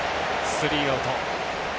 スリーアウト。